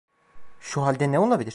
Şu halde ne olabilir?